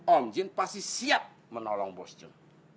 om jin pasti siap menolong bos jun